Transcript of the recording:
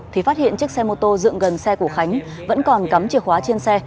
thì phát hiện chiếc xe mô tô dựng gần xe của khánh vẫn còn cắm chìa khóa trên xe